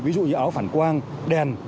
ví dụ như áo phản quang đèn